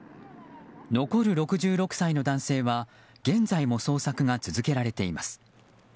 残る６６歳の男性は現在も捜索が続けられています。